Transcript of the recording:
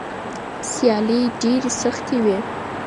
سیالۍ ډېرې سختې وي.